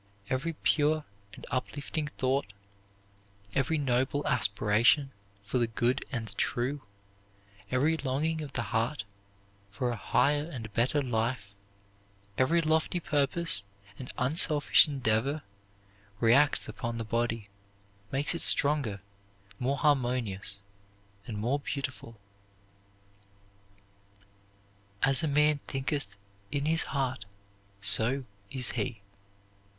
Every pure and uplifting thought, every noble aspiration for the good and the true, every longing of the heart for a higher and better life, every lofty purpose and unselfish endeavor, reacts upon the body, makes it stronger, more harmonious, and more beautiful. "As a man thinketh in his heart, so is he."